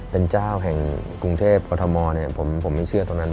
เป็นเจ้าแห่งกรุงเทพกรทมผมไม่เชื่อตรงนั้น